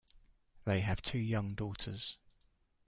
They have two young daughters.